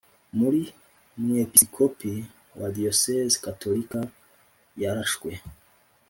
Buri Mwepisicopi wa Diyosezi Gatolika yarashwe